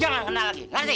jangan kenal lagi ngerti